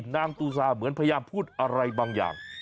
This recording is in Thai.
นางตูซาเหมือนพยายามพูดอะไรบางอย่าง